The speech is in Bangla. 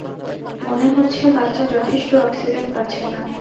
মনে হচ্ছে বাচ্চা যথেষ্ট অক্সিজেন পাচ্ছে না।